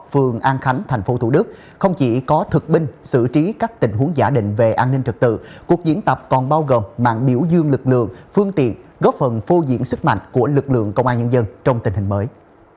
phường an khánh thành phố thủ đức không chỉ có thực binh xử trí các tình huống giả định về an ninh trật tự cuộc diễn tập còn bao gồm mạng biểu dương lực lượng phương tiện góp phần phô diễn sức mạnh của lực lượng công an nhân dân trong tình hình mới